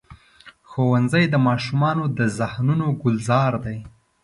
ښوونځی د ماشومو ذهنونو ګلزار دی